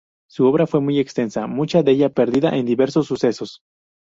Su obra fue muy extensa, mucha de ella perdida en diversos sucesos.